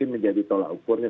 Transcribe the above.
menjadi tolak ukurnya